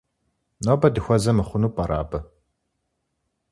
Нобэ дыхуэзэ мыхъуну пӀэрэ абы?